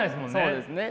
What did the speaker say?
そうですね。